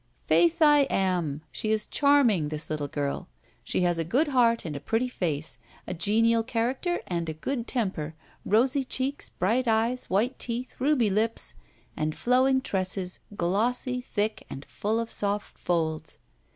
"Faith, I am! She is charming, this little girl! She has a good heart and a pretty face, a genial character and a good temper, rosy cheeks, bright eyes, white teeth, ruby lips, and flowing tresses, glossy, thick, and full of soft folds.